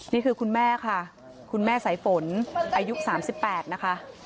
นี่คือคุณแม่ค่ะคุณแม่สายฝนอายุ๓๘นะคะ